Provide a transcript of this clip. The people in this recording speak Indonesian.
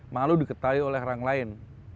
malu diketahui oleh orang lain